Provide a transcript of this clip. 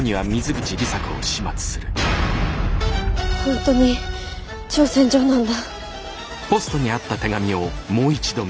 本当に挑戦状なんだ。